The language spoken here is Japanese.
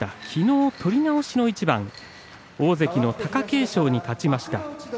きのう取り直しの一番大関貴景勝に勝ちました。